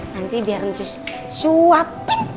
nanti biar ncus suap